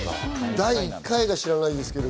第１回知らないですけど。